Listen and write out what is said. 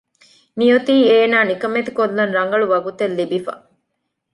މިއޮތީ އޭނާ ނިކަމެތިކޮށްލަން ރަނގަޅު ވަގުތެއް ލިބިފަ